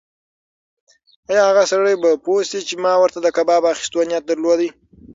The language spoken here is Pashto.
ایا هغه سړی به پوه شي چې ما ورته د کباب اخیستو نیت درلود؟